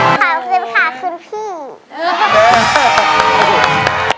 ขอบคุณพี่ค่ะคืนพี่